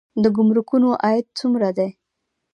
د ګمرکونو عاید څومره دی؟